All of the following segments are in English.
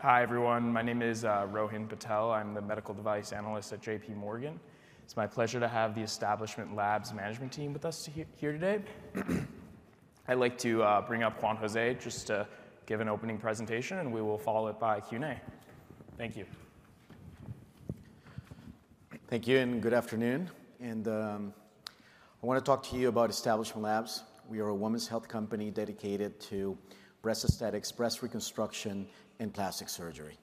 Hi, everyone. My name is Rohan Patel. I'm the medical device analyst at JPMorgan. It's my pleasure to have the Establishment Labs management team with us here today. I'd like to bring up Juan José just to give an opening presentation, and we will follow it by Q&A. Thank you. Thank you, and good afternoon. I want to talk to you about Establishment Labs. We are a women's health company dedicated to breast aesthetics, breast reconstruction, and plastic surgery.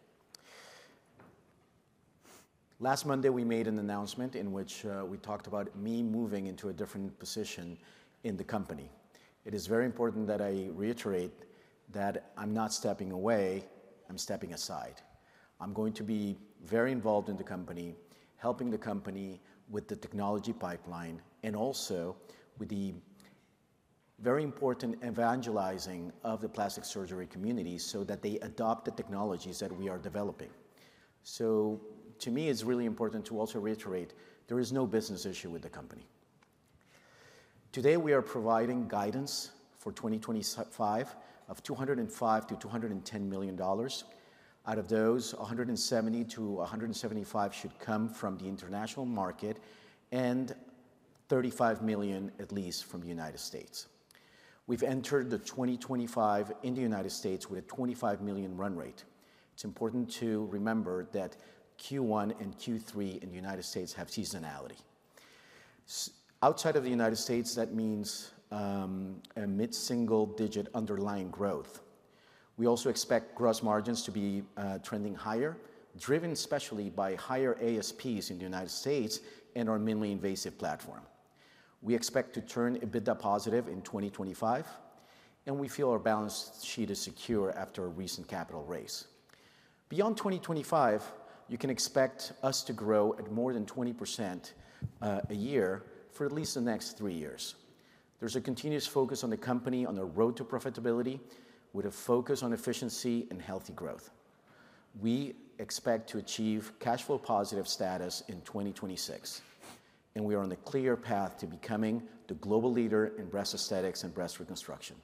Last Monday, we made an announcement in which we talked about me moving into a different position in the company. It is very important that I reiterate that I'm not stepping away. I'm stepping aside. I'm going to be very involved in the company, helping the company with the technology pipeline and also with the very important evangelizing of the plastic surgery community so that they adopt the technologies that we are developing. So, to me, it's really important to also reiterate there is no business issue with the company. Today, we are providing guidance for 2025 of $205-$210 million. Out of those, $170-$175 should come from the international market and $35 million, at least, from the United States. We've entered the 2025 in the United States with a $25 million run rate. It's important to remember that Q1 and Q3 in the United States have seasonality. Outside of the United States, that means a mid-single-digit underlying growth. We also expect gross margins to be trending higher, driven especially by higher ASPs in the United States and our minimally invasive platform. We expect to turn EBITDA positive in 2025, and we feel our balance sheet is secure after a recent capital raise. Beyond 2025, you can expect us to grow at more than 20% a year for at least the next three years. There's a continuous focus on the company, on the road to profitability, with a focus on efficiency and healthy growth. We expect to achieve cash flow positive status in 2026, and we are on a clear path to becoming the global leader in breast aesthetics and breast reconstruction,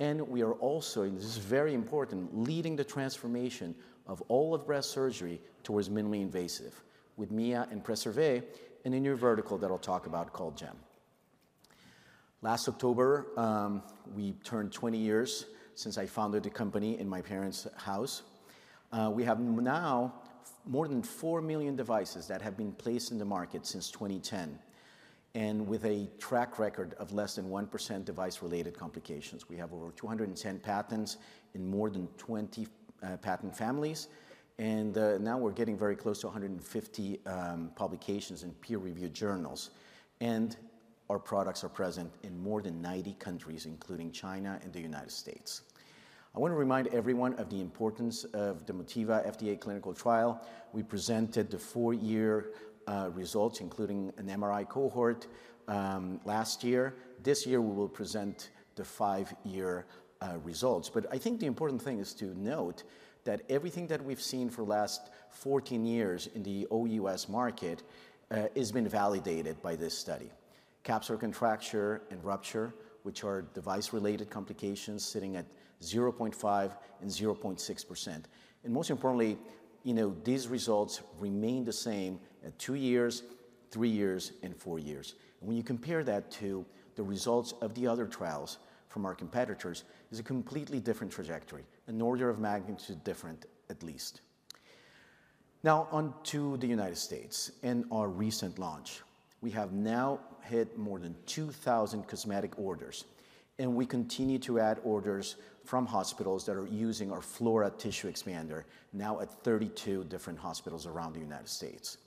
and we are also, and this is very important, leading the transformation of all of breast surgery towards minimally invasive with Mia and Preservé and a new vertical that I'll talk about called GEM. Last October, we turned 20 years since I founded the company in my parents' house. We have now more than four million devices that have been placed in the market since 2010, and with a track record of less than 1% device-related complications. We have over 210 patents in more than 20 patent families, and now we're getting very close to 150 publications and peer-reviewed journals. Our products are present in more than 90 countries, including China and the United States. I want to remind everyone of the importance of the Motiva FDA clinical trial. We presented the four-year results, including an MRI cohort, last year. This year, we will present the five-year results, but I think the important thing is to note that everything that we've seen for the last 14 years in the OUS market has been validated by this study. Capsular contracture and rupture, which are device-related complications, sitting at 0.5% and 0.6%, and most importantly, these results remain the same at two years, three years, and four years. And when you compare that to the results of the other trials from our competitors, it's a completely different trajectory, an order of magnitude different, at least. Now, on to the United States and our recent launch. We have now hit more than 2,000 cosmetic orders, and we continue to add orders from hospitals that are using our Flora Tissue Expander, now at 32 different hospitals around the United States.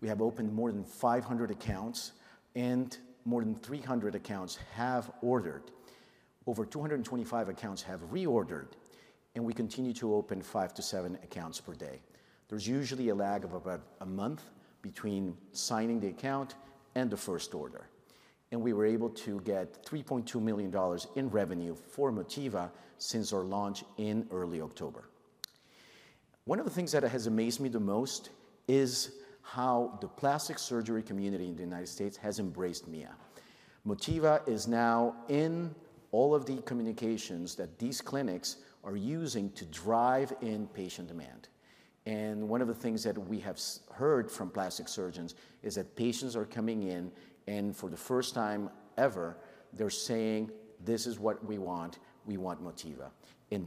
We have opened more than 500 accounts, and more than 300 accounts have ordered. Over 225 accounts have reordered, and we continue to open five to seven accounts per day. There's usually a lag of about a month between signing the account and the first order. And we were able to get $3.2 million in revenue for Motiva since our launch in early October. One of the things that has amazed me the most is how the plastic surgery community in the United States has embraced Mia. Motiva is now in all of the communications that these clinics are using to drive in patient demand. One of the things that we have heard from plastic surgeons is that patients are coming in, and for the first time ever, they're saying, "This is what we want. We want Motiva."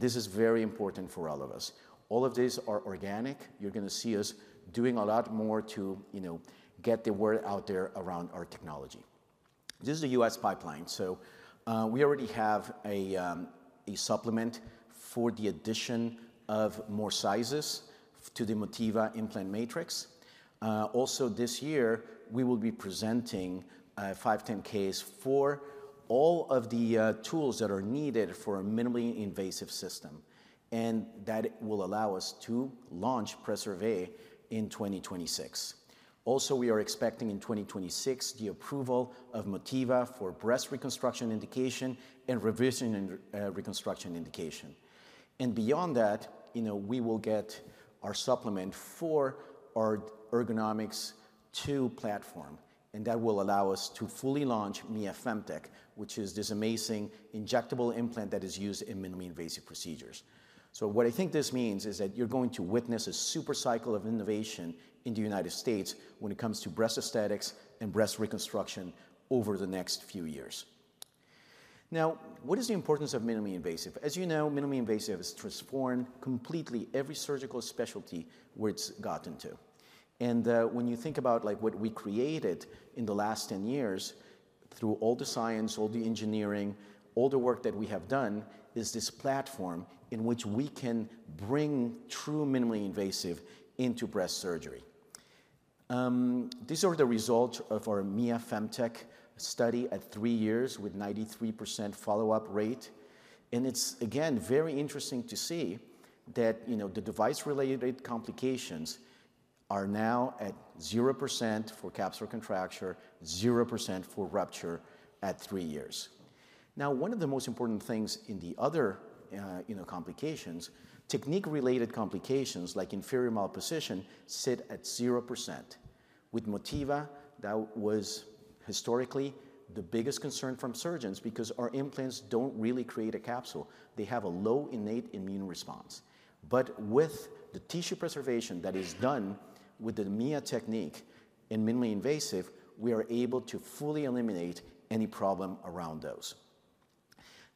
This is very important for all of us. All of these are organic. You're going to see us doing a lot more to get the word out there around our technology. This is a U.S. pipeline. So we already have a supplement for the addition of more sizes to the Motiva Implant Matrix. Also, this year, we will be presenting 510(k)s for all of the tools that are needed for a minimally invasive system, and that will allow us to launch Preservé in 2026. Also, we are expecting in 2026 the approval of Motiva for breast reconstruction indication and revision reconstruction indication. And beyond that, we will get our supplement for our Ergonomix2 platform, and that will allow us to fully launch Mia FemTech, which is this amazing injectable implant that is used in minimally invasive procedures. So what I think this means is that you're going to witness a super cycle of innovation in the United States when it comes to breast aesthetics and breast reconstruction over the next few years. Now, what is the importance of minimally invasive? As you know, minimally invasive has transformed completely every surgical specialty where it's gotten to. And when you think about what we created in the last 10 years through all the science, all the engineering, all the work that we have done, is this platform in which we can bring true minimally invasive into breast surgery. These are the results of our Mia FemTech study at three years with a 93% follow-up rate. And it's, again, very interesting to see that the device-related complications are now at 0% for capsular contracture, 0% for rupture at three years. Now, one of the most important things in the other complications, technique-related complications like inferior malposition sit at 0%. With Motiva, that was historically the biggest concern from surgeons because our implants don't really create a capsule. They have a low innate immune response. But with the tissue preservation that is done with the Mia technique and minimally invasive, we are able to fully eliminate any problem around those.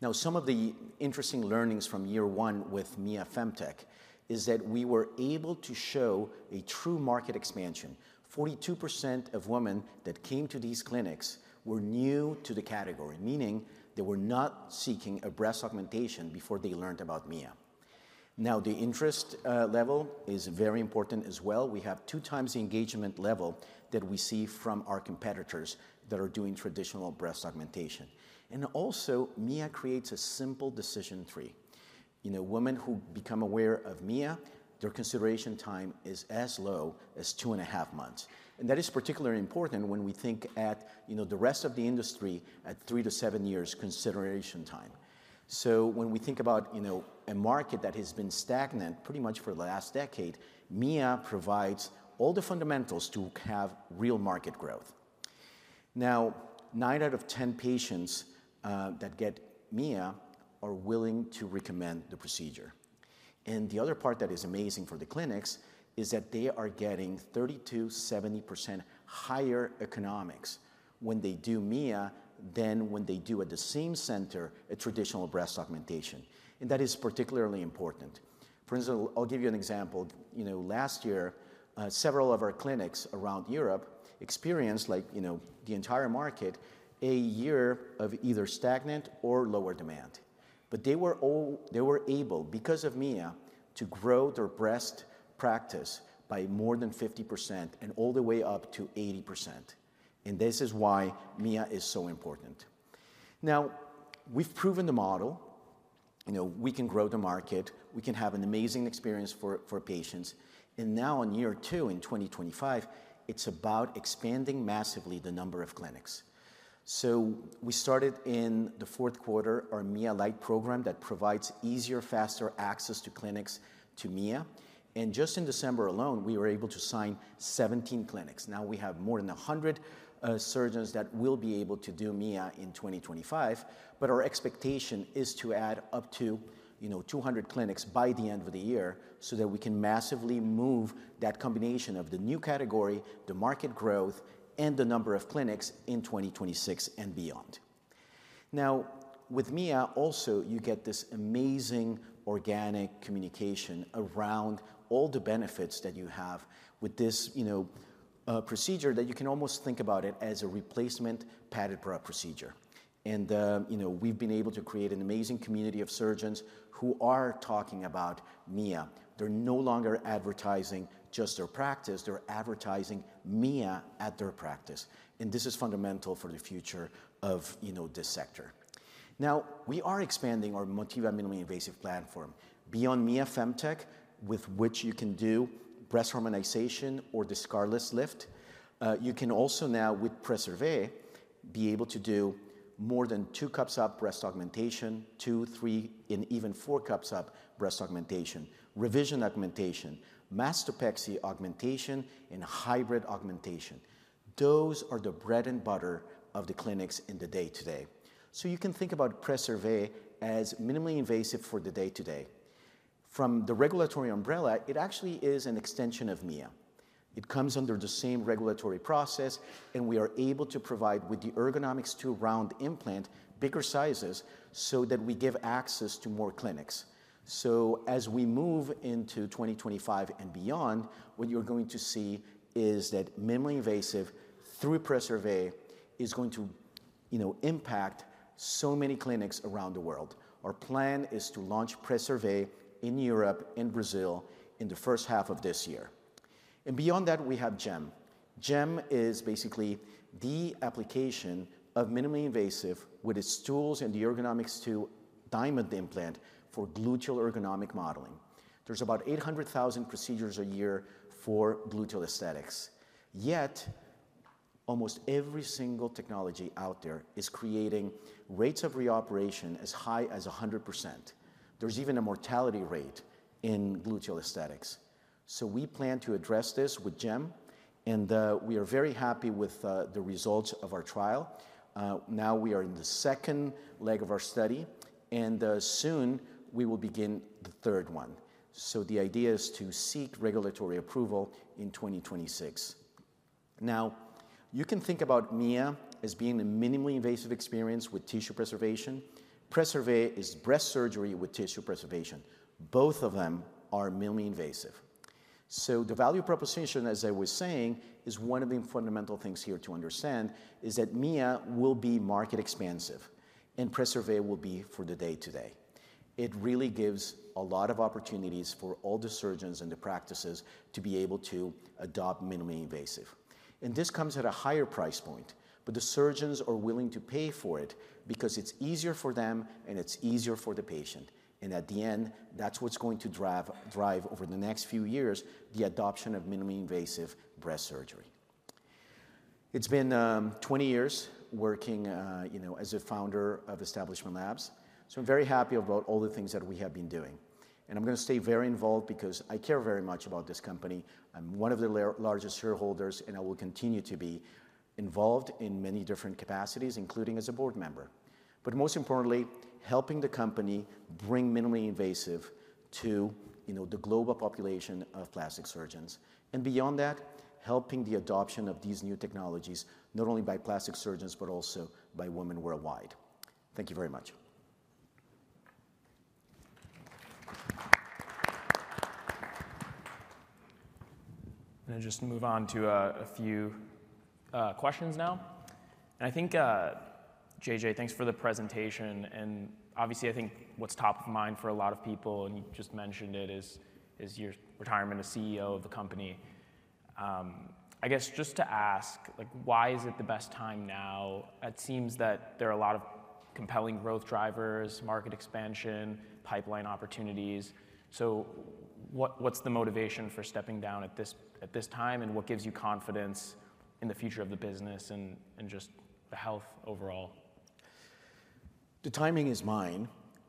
Now, some of the interesting learnings from year one with Mia FemTech is that we were able to show a true market expansion. 42% of women that came to these clinics were new to the category, meaning they were not seeking a breast augmentation before they learned about Mia. Now, the interest level is very important as well. We have two times the engagement level that we see from our competitors that are doing traditional breast augmentation, and also, Mia creates a simple decision tree. Women who become aware of Mia, their consideration time is as low as two and a half months, and that is particularly important when we think at the rest of the industry at three to seven years consideration time, so when we think about a market that has been stagnant pretty much for the last decade, Mia provides all the fundamentals to have real market growth. Now, nine out of 10 patients that get Mia are willing to recommend the procedure. And the other part that is amazing for the clinics is that they are getting 30%-70% higher economics when they do Mia than when they do at the same center a traditional breast augmentation. And that is particularly important. For instance, I'll give you an example. Last year, several of our clinics around Europe experienced, like the entire market, a year of either stagnant or lower demand. But they were able, because of Mia, to grow their breast practice by more than 50% and all the way up to 80%. And this is why Mia is so important. Now, we've proven the model. We can grow the market. We can have an amazing experience for patients. And now, in year two, in 2025, it's about expanding massively the number of clinics. We started in the Q4 our Mia Light program that provides easier, faster access to clinics to Mia. Just in December alone, we were able to sign 17 clinics. Now, we have more than 100 surgeons that will be able to do Mia in 2025. Our expectation is to add up to 200 clinics by the end of the year so that we can massively move that combination of the new category, the market growth, and the number of clinics in 2026 and beyond. Now, with Mia, also, you get this amazing organic communication around all the benefits that you have with this procedure that you can almost think about it as a replacement padded breast procedure. We've been able to create an amazing community of surgeons who are talking about Mia. They're no longer advertising just their practice. They're advertising Mia at their practice. This is fundamental for the future of this sector. Now, we are expanding our Motiva minimally invasive platform beyond Mia FemTech, with which you can do breast harmonization or the scarless lift. You can also now, with Preservé, be able to do more than two cups up breast augmentation, two, three, and even four cups up breast augmentation, revision augmentation, mastopexy augmentation, and hybrid augmentation. Those are the bread and butter of the clinics in the day-to-day. So you can think about Preservé as minimally invasive for the day-to-day. From the regulatory umbrella, it actually is an extension of Mia. It comes under the same regulatory process, and we are able to provide with the Ergonomix2 round implant, bigger sizes, so that we give access to more clinics. So as we move into 2025 and beyond, what you're going to see is that minimally invasive through Preservé is going to impact so many clinics around the world. Our plan is to launch Preservé in Europe and Brazil in the first half of this year. And beyond that, we have GEM. GEM is basically the application of minimally invasive with its tools and the Ergonomix2 Diamond implant for gluteal ergonomic modeling. There's about 800,000 procedures a year for gluteal aesthetics. Yet, almost every single technology out there is creating rates of reoperation as high as 100%. There's even a mortality rate in gluteal aesthetics. So we plan to address this with GEM, and we are very happy with the results of our trial. Now, we are in the second leg of our study, and soon we will begin the third one. So the idea is to seek regulatory approval in 2026. Now, you can think about Mia as being a minimally invasive experience with tissue preservation. Preservé is breast surgery with tissue preservation. Both of them are minimally invasive. So the value proposition, as I was saying, is one of the fundamental things here to understand is that Mia will be market expansive, and Preservé will be for the day-to-day. It really gives a lot of opportunities for all the surgeons and the practices to be able to adopt minimally invasive. And this comes at a higher price point, but the surgeons are willing to pay for it because it's easier for them, and it's easier for the patient. And at the end, that's what's going to drive over the next few years the adoption of minimally invasive breast surgery. It's been 20 years working as a founder of Establishment Labs. I'm very happy about all the things that we have been doing, and I'm going to stay very involved because I care very much about this company. I'm one of the largest shareholders, and I will continue to be involved in many different capacities, including as a board member, but most importantly, helping the company bring minimally invasive to the global population of plastic surgeons, and beyond that, helping the adoption of these new technologies, not only by plastic surgeons, but also by women worldwide. Thank you very much. I'm going to just move on to a few questions now. I think, JJ, thanks for the presentation. Obviously, I think what's top of mind for a lot of people, and you just mentioned it, is your retirement as CEO of the company. I guess just to ask, why is it the best time now? It seems that there are a lot of compelling growth drivers, market expansion, pipeline opportunities. So what's the motivation for stepping down at this time, and what gives you confidence in the future of the business and just the health overall? The timing is mine,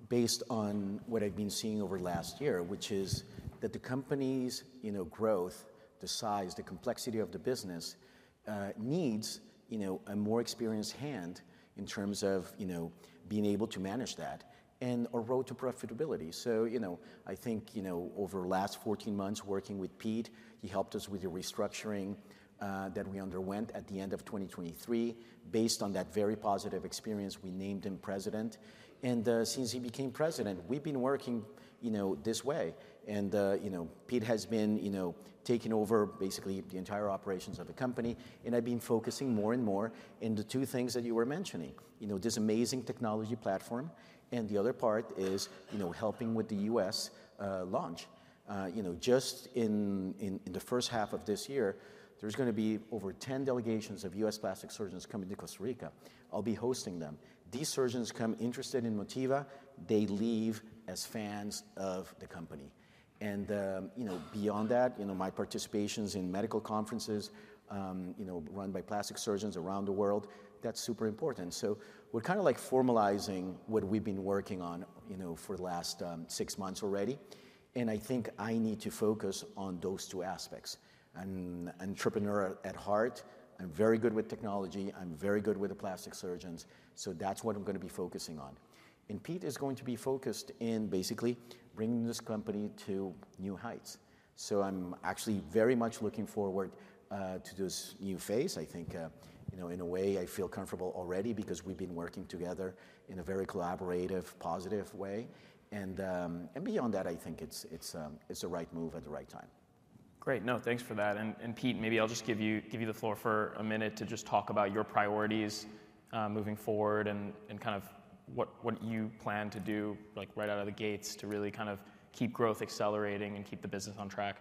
based on what I've been seeing over the last year, which is that the company's growth, the size, the complexity of the business needs a more experienced hand in terms of being able to manage that and a road to profitability. So I think over the last 14 months working with Pete, he helped us with the restructuring that we underwent at the end of 2023. Based on that very positive experience, we named him president. And since he became president, we've been working this way. And Pete has been taking over basically the entire operations of the company, and I've been focusing more and more in the two things that you were mentioning, this amazing technology platform. And the other part is helping with the U.S. launch. Just in the first half of this year, there's going to be over 10 delegations of U.S. plastic surgeons coming to Costa Rica. I'll be hosting them. These surgeons come interested in Motiva. They leave as fans of the company. And beyond that, my participations in medical conferences run by plastic surgeons around the world, that's super important. So we're kind of like formalizing what we've been working on for the last six months already. And I think I need to focus on those two aspects. I'm an entrepreneur at heart. I'm very good with technology. I'm very good with the plastic surgeons. So that's what I'm going to be focusing on. And Pete is going to be focused in basically bringing this company to new heights. So I'm actually very much looking forward to this new phase. I think in a way, I feel comfortable already because we've been working together in a very collaborative, positive way and beyond that, I think it's the right move at the right time. Great. No, thanks for that, and Pete, maybe I'll just give you the floor for a minute to just talk about your priorities moving forward and kind of what you plan to do right out of the gates to really kind of keep growth accelerating and keep the business on track.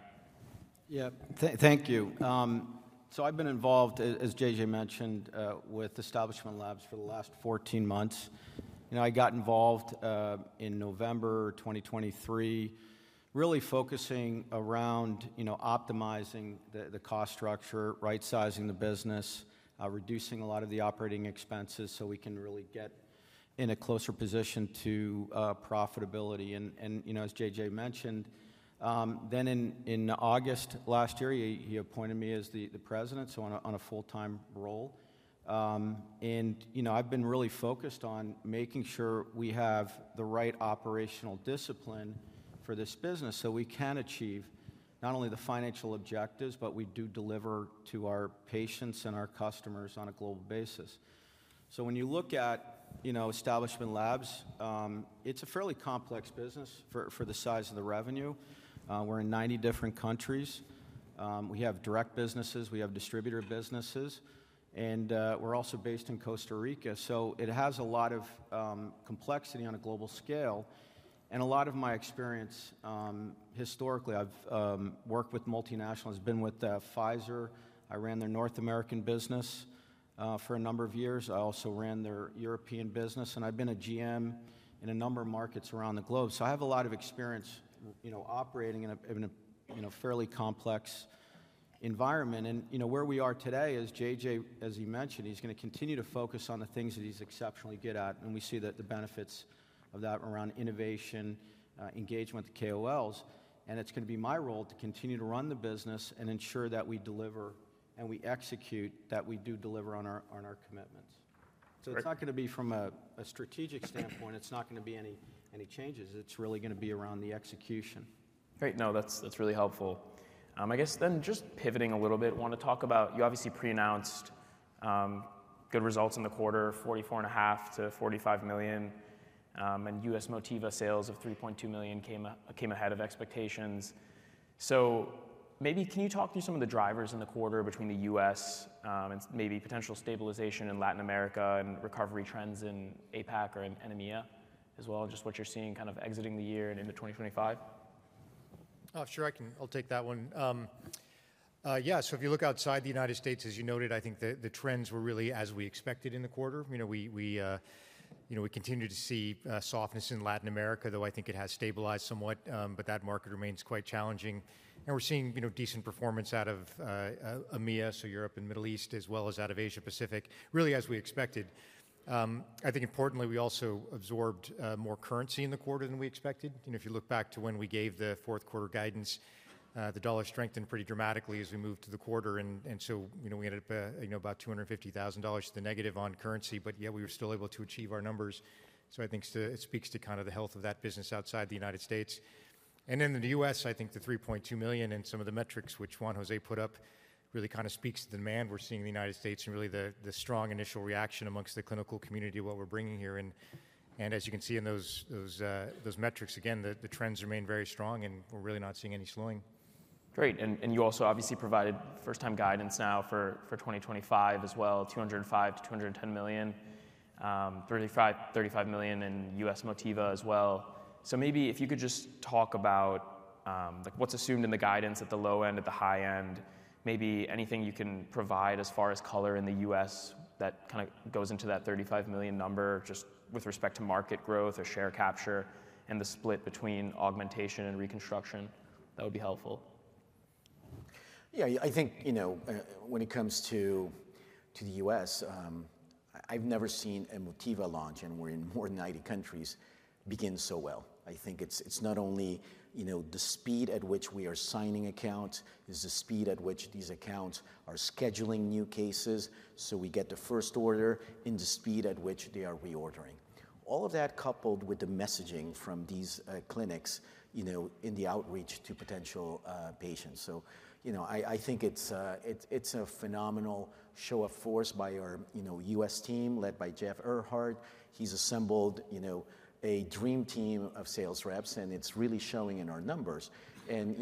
Yeah, thank you. So I've been involved, as JJ mentioned, with Establishment Labs for the last 14 months. I got involved in November 2023, really focusing around optimizing the cost structure, right-sizing the business, reducing a lot of the operating expenses so we can really get in a closer position to profitability, and as JJ mentioned, then in August last year, he appointed me as the president, so on a full-time role, and I've been really focused on making sure we have the right operational discipline for this business so we can achieve not only the financial objectives, but we do deliver to our patients and our customers on a global basis, so when you look at Establishment Labs, it's a fairly complex business for the size of the revenue. We're in 90 different countries. We have direct businesses. We have distributor businesses. And we're also based in Costa Rica. So it has a lot of complexity on a global scale. And a lot of my experience historically, I've worked with multinationals. I've been with Pfizer. I ran their North American business for a number of years. I also ran their European business. And I've been a GM in a number of markets around the globe. So I have a lot of experience operating in a fairly complex environment. And where we are today is JJ, as he mentioned, he's going to continue to focus on the things that he's exceptionally good at. And we see the benefits of that around innovation, engagement with KOLs. And it's going to be my role to continue to run the business and ensure that we deliver and we execute, that we do deliver on our commitments. So it's not going to be from a strategic standpoint. It's not going to be any changes. It's really going to be around the execution. Great. No, that's really helpful. I guess then just pivoting a little bit, I want to talk about you obviously pre-announced good results in the quarter, $44.5 million-$45 million. And U.S. Motiva sales of $3.2 million came ahead of expectations. So maybe can you talk through some of the drivers in the quarter between the U.S. and maybe potential stabilization in Latin America and recovery trends in APAC or EMEA as well, just what you're seeing kind of exiting the year and into 2025? Oh, sure, I'll take that one. Yeah, so if you look outside the United States, as you noted, I think the trends were really as we expected in the quarter. We continue to see softness in Latin America, though I think it has stabilized somewhat, but that market remains quite challenging, and we're seeing decent performance out of EMEA, so Europe and Middle East, as well as out of Asia-Pacific, really as we expected. I think importantly, we also absorbed more currency in the quarter than we expected. If you look back to when we gave the Q4 guidance, the dollar strengthened pretty dramatically as we moved to the quarter, and so we ended up about $250,000 to the negative on currency, but yeah, we were still able to achieve our numbers, so I think it speaks to kind of the health of that business outside the United States. In the U.S., I think the 3.2 million and some of the metrics which Juan José put up really kind of speaks to the demand we're seeing in the United States and really the strong initial reaction amongst the clinical community of what we're bringing here. As you can see in those metrics, again, the trends remain very strong, and we're really not seeing any slowing. Great. And you also obviously provided first-time guidance now for 2025 as well, $205 million-$210 million, $35 million in U.S. Motiva as well. So maybe if you could just talk about what's assumed in the guidance at the low end, at the high end, maybe anything you can provide as far as color in the U.S. that kind of goes into that $35 million number just with respect to market growth or share capture and the split between augmentation and reconstruction, that would be helpful. Yeah, I think when it comes to the U.S., I've never seen a Motiva launch, and we're in more than 90 countries, begin so well. I think it's not only the speed at which we are signing accounts, it's the speed at which these accounts are scheduling new cases. So, the speed at which we get the first order, in the speed at which they are reordering. All of that coupled with the messaging from these clinics in the outreach to potential patients. So I think it's a phenomenal show of force by our U.S. team led by Jeff Earhart. He's assembled a dream team of sales reps, and it's really showing in our numbers, and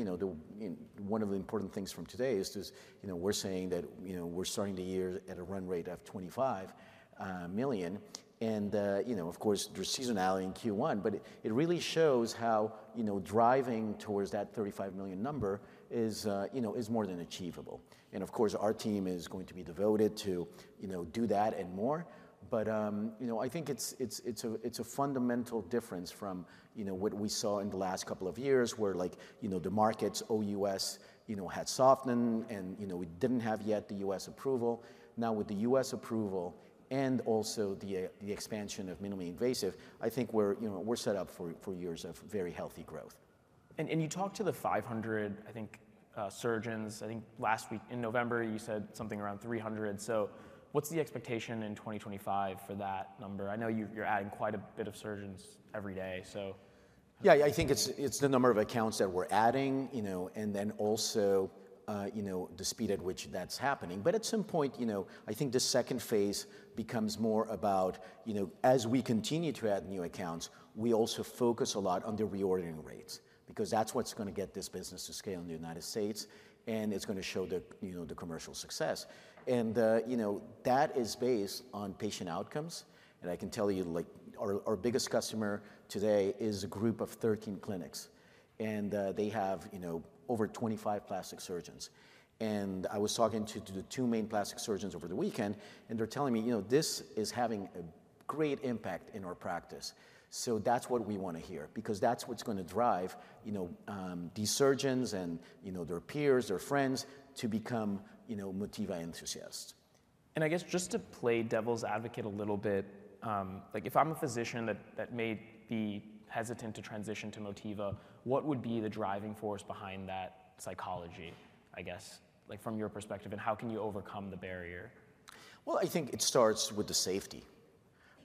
one of the important things from today is we're saying that we're starting the year at a run rate of $25 million. And of course, there's seasonality in Q1, but it really shows how driving towards that $35 million number is more than achievable. And of course, our team is going to be devoted to do that and more. But I think it's a fundamental difference from what we saw in the last couple of years where the markets OUS had softened, and we didn't have yet the U.S. approval. Now with the U.S. approval and also the expansion of minimally invasive, I think we're set up for years of very healthy growth. You talked to the 500, I think, surgeons. I think last week in November, you said something around 300. What's the expectation in 2025 for that number? I know you're adding quite a bit of surgeons every day, so. Yeah, I think it's the number of accounts that we're adding and then also the speed at which that's happening. But at some point, I think the second phase becomes more about as we continue to add new accounts, we also focus a lot on the reordering rates because that's what's going to get this business to scale in the United States, and it's going to show the commercial success. And that is based on patient outcomes. And I can tell you our biggest customer today is a group of 13 clinics, and they have over 25 plastic surgeons. And I was talking to the two main plastic surgeons over the weekend, and they're telling me this is having a great impact in our practice. So that's what we want to hear because that's what's going to drive these surgeons and their peers, their friends to become Motiva enthusiasts. I guess just to play devil's advocate a little bit, if I'm a physician that may be hesitant to transition to Motiva, what would be the driving force behind that psychology, I guess, from your perspective? How can you overcome the barrier? Well, I think it starts with the safety.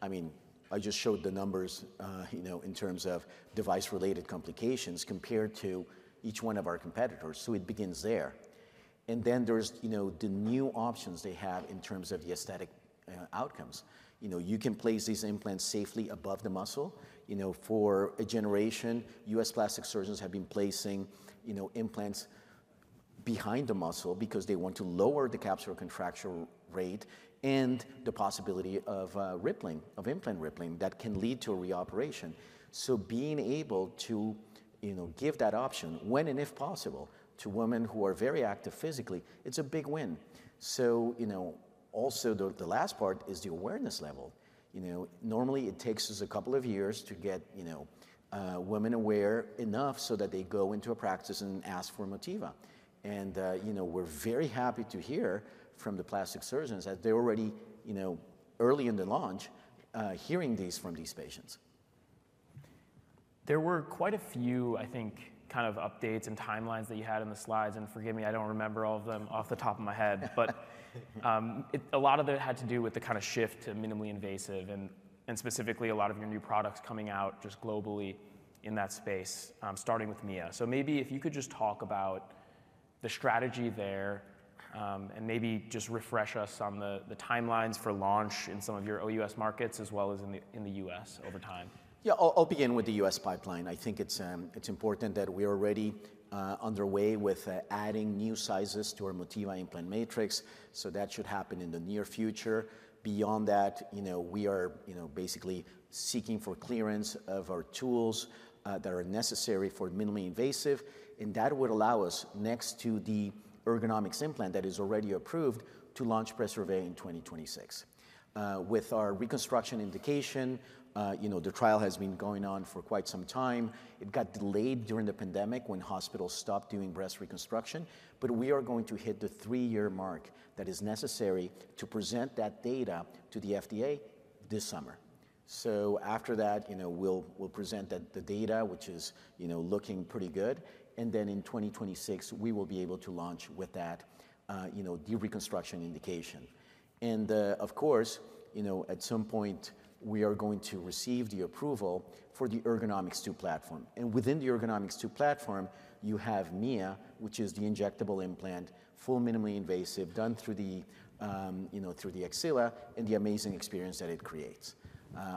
I mean, I just showed the numbers in terms of device-related complications compared to each one of our competitors. So it begins there. And then there's the new options they have in terms of the aesthetic outcomes. You can place these implants safely above the muscle. For a generation, U.S. plastic surgeons have been placing implants behind the muscle because they want to lower the capsular contracture rate and the possibility of rippling, of implant rippling that can lead to a reoperation. So being able to give that option when and if possible to women who are very active physically, it's a big win. So also the last part is the awareness level. Normally, it takes us a couple of years to get women aware enough so that they go into a practice and ask for Motiva. We're very happy to hear from the plastic surgeons that they're already early in the launch, hearing these from these patients. There were quite a few, I think, kind of updates and timelines that you had in the slides. And forgive me, I don't remember all of them off the top of my head. But a lot of it had to do with the kind of shift to minimally invasive and specifically a lot of your new products coming out just globally in that space, starting with Mia. So maybe if you could just talk about the strategy there and maybe just refresh us on the timelines for launch in some of your OUS markets as well as in the U.S over time. Yeah, I'll begin with the U.S. pipeline. I think it's important that we are already underway with adding new sizes to our Motiva implant matrix. So that should happen in the near future. Beyond that, we are basically seeking for clearance of our tools that are necessary for minimally invasive. And that would allow us, next to the Ergonomix implant that is already approved, to launch Preservé in 2026. With our reconstruction indication, the trial has been going on for quite some time. It got delayed during the pandemic when hospitals stopped doing breast reconstruction. But we are going to hit the three-year mark that is necessary to present that data to the FDA this summer. So after that, we'll present the data, which is looking pretty good. And then in 2026, we will be able to launch with that reconstruction indication. Of course, at some point, we are going to receive the approval for the Ergonomix2 platform. Within the Ergonomix2 platform, you have Mia, which is the injectable implant, full minimally invasive, done through the axilla and the amazing experience that it creates.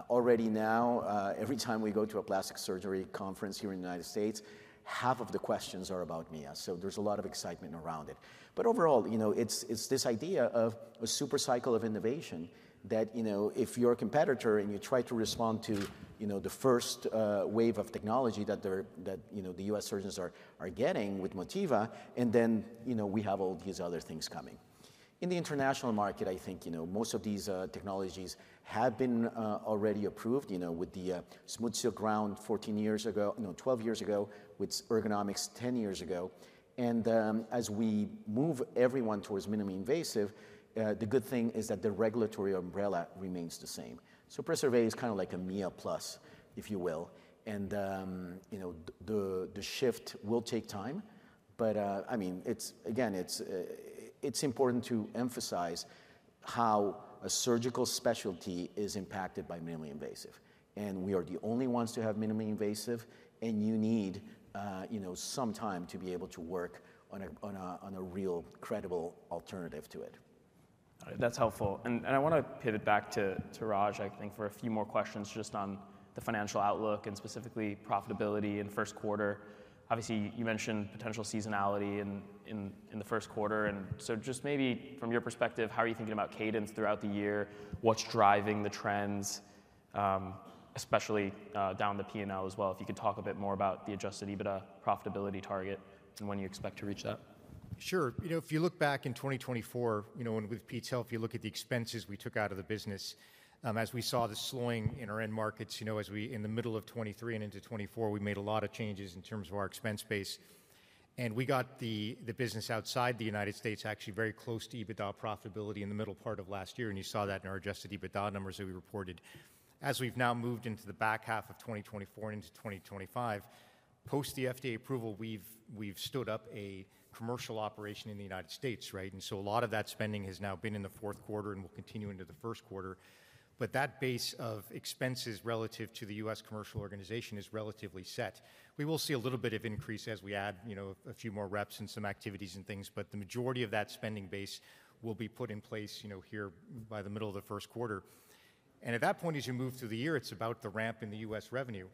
Already now, every time we go to a plastic surgery conference here in the United States, half of the questions are about Mia. There's a lot of excitement around it. Overall, it's this idea of a super cycle of innovation that if you're a competitor and you try to respond to the first wave of technology that the U.S. surgeons are getting with Motiva, and then we have all these other things coming. In the international market, I think most of these technologies have been already approved with the SmoothSilk around 14 years ago, 12 years ago, with Ergonomix 10 years ago, and as we move everyone towards minimally invasive, the good thing is that the regulatory umbrella remains the same, so Preservé is kind of like a Mia Plus, if you will, and the shift will take time, but I mean, again, it's important to emphasize how a surgical specialty is impacted by minimally invasive, and we are the only ones to have minimally invasive, and you need some time to be able to work on a real credible alternative to it. That's helpful. And I want to pivot back to Raj, I think, for a few more questions just on the financial outlook and specifically profitability in Q1 Obviously, you mentioned potential seasonality in the Q1. And so just maybe from your perspective, how are you thinking about cadence throughout the year? What's driving the trends, especially down the P&L as well? If you could talk a bit more about the Adjusted EBITDA profitability target and when you expect to reach that. Sure. If you look back in 2024, and with help, you look at the expenses we took out of the business. As we saw the slowing in our end markets, as we in the middle of 2023 and into 2024, we made a lot of changes in terms of our expense base. And we got the business outside the United States actually very close to EBITDA profitability in the middle part of last year. And you saw that in our adjusted EBITDA numbers that we reported. As we've now moved into the back half of 2024 and into 2025, post the FDA approval, we've stood up a commercial operation in the United States, right? And so a lot of that spending has now been in the Q4 and will continue into the Q1. But that base of expenses relative to the U.S. commercial organization is relatively set. We will see a little bit of increase as we add a few more reps and some activities and things. But the majority of that spending base will be put in place here by the middle of the Q1. And at that point, as you move through the year, it's about the ramp in the U.S. revenue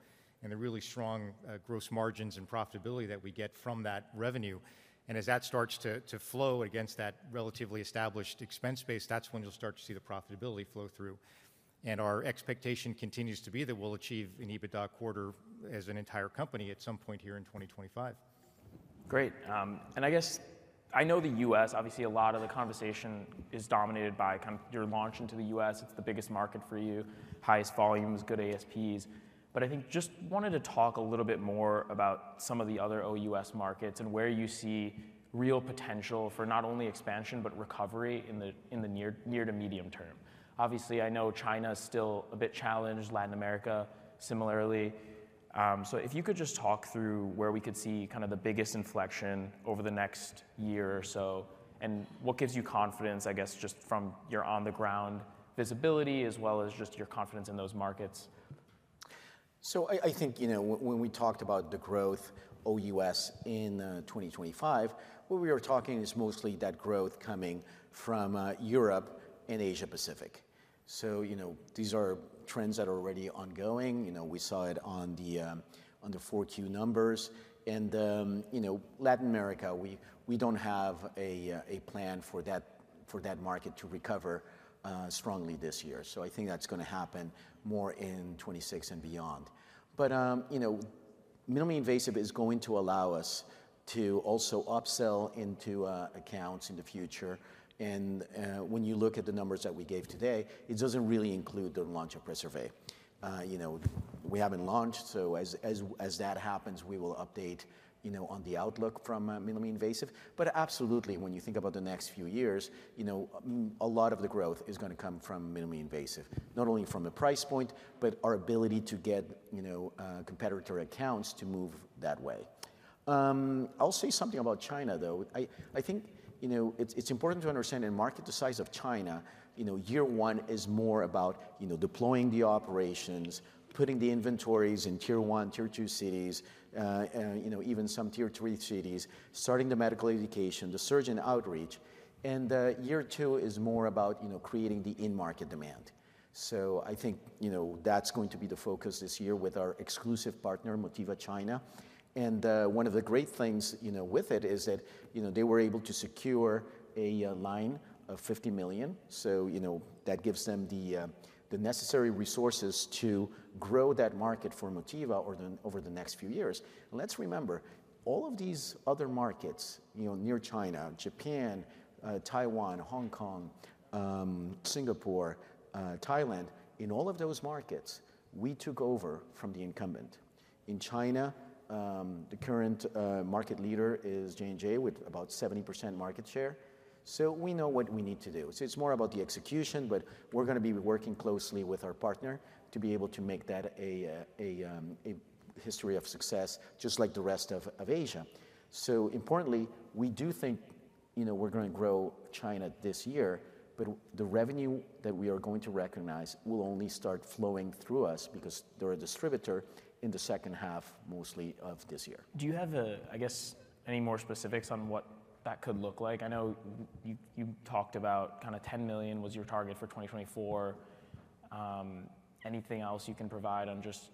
and the really strong gross margins and profitability that we get from that revenue. And as that starts to flow against that relatively established expense base, that's when you'll start to see the profitability flow through. And our expectation continues to be that we'll achieve an EBITDA quarter as an entire company at some point here in 2025. Great. And I guess I know the U.S., obviously a lot of the conversation is dominated by kind of your launch into the U.S. It's the biggest market for you, highest volumes, good ASPs. But I think just wanted to talk a little bit more about some of the other OUS markets and where you see real potential for not only expansion, but recovery in the near to medium term. Obviously, I know China is still a bit challenged, Latin America similarly. So if you could just talk through where we could see kind of the biggest inflection over the next year or so and what gives you confidence, I guess, just from your on-the-ground visibility as well as just your confidence in those markets. I think when we talked about the growth OUS in 2025, what we were talking is mostly that growth coming from Europe and Asia-Pacific. These are trends that are already ongoing. We saw it on the 4Q numbers. Latin America, we don't have a plan for that market to recover strongly this year. That is going to happen more in 2026 and beyond. Minimally invasive is going to allow us to also upsell into accounts in the future. When you look at the numbers that we gave today, it doesn't really include the launch of Preservé. We haven't launched. As that happens, we will update on the outlook from minimally invasive. But absolutely, when you think about the next few years, a lot of the growth is going to come from minimally invasive, not only from the price point, but our ability to get competitor accounts to move that way. I'll say something about China, though. I think it's important to understand in market the size of China. Year one is more about deploying the operations, putting the inventories in tier one, tier two cities, even some tier three cities, starting the medical education, the surgeon outreach. And year two is more about creating the in-market demand. So I think that's going to be the focus this year with our exclusive partner, Motiva China. And one of the great things with it is that they were able to secure a line of $50 million. So that gives them the necessary resources to grow that market for Motiva over the next few years. And let's remember, all of these other markets near China, Japan, Taiwan, Hong Kong, Singapore, Thailand, in all of those markets, we took over from the incumbent. In China, the current market leader is J&J with about 70% market share. So we know what we need to do. So it's more about the execution, but we're going to be working closely with our partner to be able to make that a history of success, just like the rest of Asia. So importantly, we do think we're going to grow China this year, but the revenue that we are going to recognize will only start flowing through us because they're a distributor in the second half mostly of this year. Do you have, I guess, any more specifics on what that could look like? I know you talked about kind of 10 million was your target for 2024. Anything else you can provide on just?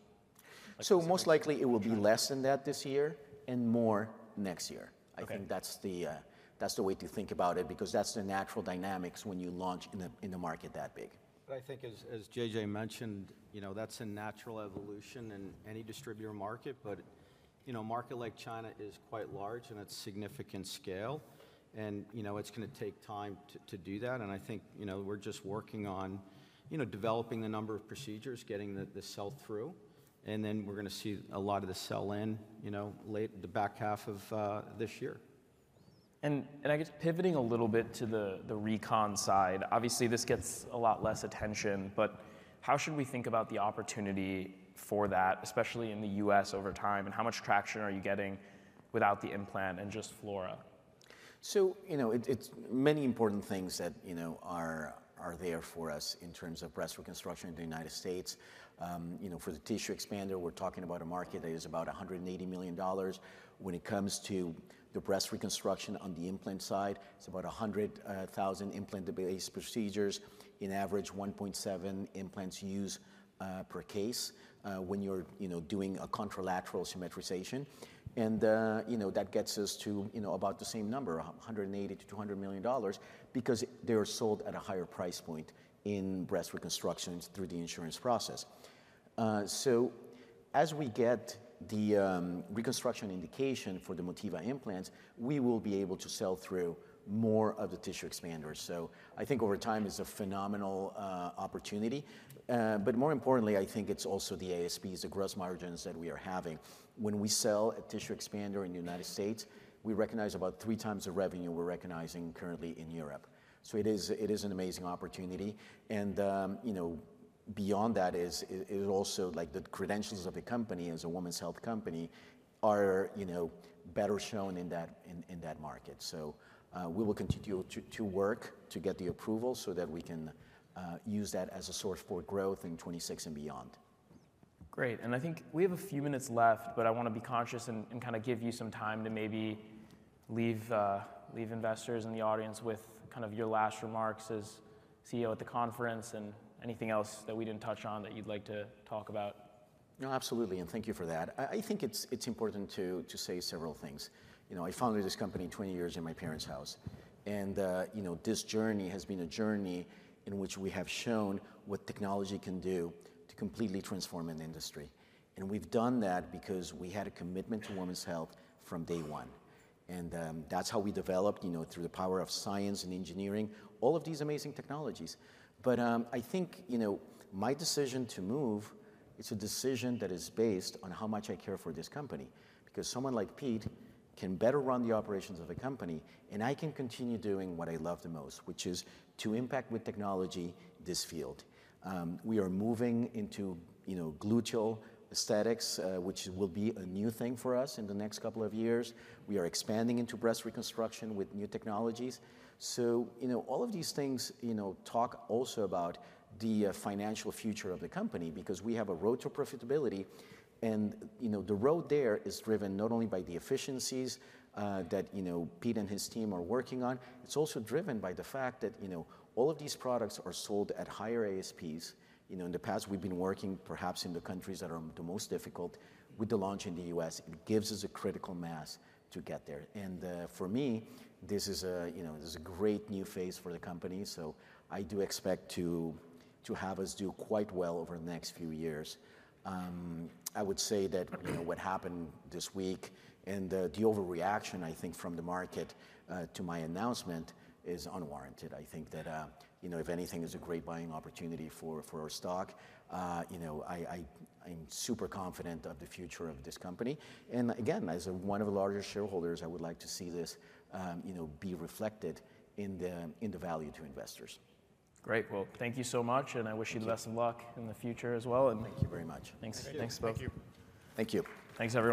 So most likely it will be less than that this year and more next year. I think that's the way to think about it because that's the natural dynamics when you launch in a market that big. I think as JJ mentioned, that's a natural evolution in any distributor market. But a market like China is quite large and it's significant scale. And it's going to take time to do that. And I think we're just working on developing the number of procedures, getting the sell-through. And then we're going to see a lot of the sell-in the back half of this year. I guess pivoting a little bit to the recon side, obviously this gets a lot less attention, but how should we think about the opportunity for that, especially in the U.S. over time? How much traction are you getting without the implant and just Flora? So it's many important things that are there for us in terms of breast reconstruction in the United States. For the tissue expander, we're talking about a market that is about $180 million. When it comes to the breast reconstruction on the implant side, it's about 100,000 implant-based procedures. On average, 1.7 implants used per case when you're doing a contralateral symmetrization. And that gets us to about the same number, $180-$200 million because they're sold at a higher price point in breast reconstructions through the insurance process. So as we get the reconstruction indication for the Motiva implants, we will be able to sell through more of the tissue expanders. So I think over time is a phenomenal opportunity. But more importantly, I think it's also the ASPs, the gross margins that we are having. When we sell a tissue expander in the United States, we recognize about three times the revenue we're recognizing currently in Europe. So it is an amazing opportunity. And beyond that, it is also like the credentials of the company as a women's health company are better shown in that market. So we will continue to work to get the approval so that we can use that as a source for growth in 2026 and beyond. Great. And I think we have a few minutes left, but I want to be conscious and kind of give you some time to maybe leave investors in the audience with kind of your last remarks as CEO at the conference and anything else that we didn't touch on that you'd like to talk about. No, absolutely. And thank you for that. I think it's important to say several things. I founded this company 20 years ago in my parents' house. And this journey has been a journey in which we have shown what technology can do to completely transform an industry. And we've done that because we had a commitment to women's health from day one. And that's how we developed through the power of science and engineering all of these amazing technologies. But I think my decision to move; it's a decision that is based on how much I care for this company because someone like Pete can better run the operations of a company. And I can continue doing what I love the most, which is to impact with technology this field. We are moving into gluteal aesthetics, which will be a new thing for us in the next couple of years. We are expanding into breast reconstruction with new technologies. So all of these things talk also about the financial future of the company because we have a road to profitability. And the road there is driven not only by the efficiencies that Pete and his team are working on. It's also driven by the fact that all of these products are sold at higher ASPs. In the past, we've been working perhaps in the countries that are the most difficult with the launch in the U.S. It gives us a critical mass to get there. And for me, this is a great new phase for the company. So I do expect to have us do quite well over the next few years. I would say that what happened this week and the overreaction, I think, from the market to my announcement is unwarranted. I think that if anything, it's a great buying opportunity for our stock. I'm super confident of the future of this company. And again, as one of the larger shareholders, I would like to see this be reflected in the value to investors. Great. Well, thank you so much, and I wish you the best of luck in the future as well. Thank you very much. Thanks for your time. Thank you. Thanks. Thank you. Thanks.